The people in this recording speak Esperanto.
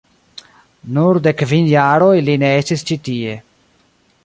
Nur de kvin jaroj li ne estis ĉi tie.